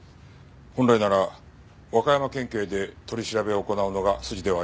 本来なら和歌山県警で取り調べを行うのが筋ではありませんか？